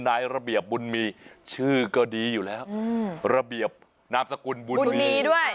นายระเบียบบุญมีชื่อก็ดีอยู่แล้วระเบียบนามสกุลบุญมีด้วย